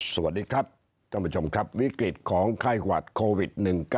สวัสดีครับท่านผู้ชมครับวิกฤตของไข้หวัดโควิด๑๙